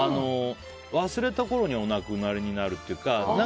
忘れたころにお亡くなりになるというか。